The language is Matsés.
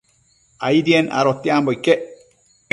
Aidien adotiambo iquec